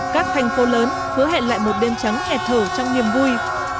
các thành phố lớn hứa hẹn lại một đêm trắng hẹt thở trong niềm vui